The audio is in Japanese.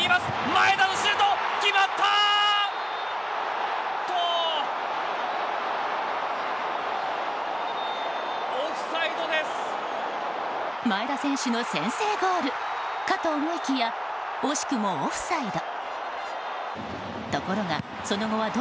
前田選手の先制ゴールかと思いきや惜しくもオフサイド。